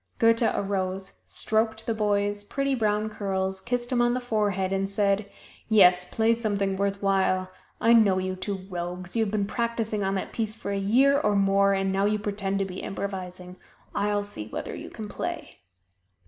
Goethe arose, stroked the boy's pretty brown curls, kissed him on the forehead and said: "Yes, play something worth while. I know you two rogues you have been practising on that piece for a year or more, and now you pretend to be improvising I'll see whether you can play!"